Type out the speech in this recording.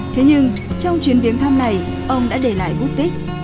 thế nhưng trong chuyến viếng thăm này ông đã để lại bút tích